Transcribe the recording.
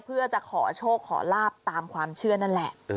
เพื่อจะขอโชคขอลาบตามความเชื่อนั่นแหละ